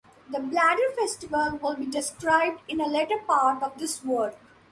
The bladder festival will be described in a later part of this work.